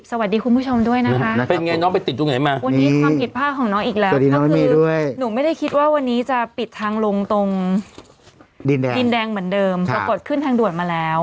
สวัสดีคุณผู้ชมด้วยนะครับวันนี้ความผิดผ้าของน้องอีกแล้วหนูไม่ได้คิดว่าวันนี้จะปิดทางลงตรงดินแดงเหมือนเดิมปรากฏขึ้นทางด่วนมาแล้ว